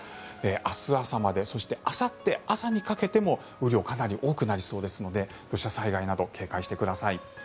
明日朝までそしてあさって朝にかけても雨量かなり多くなりそうですので土砂災害など警戒してください。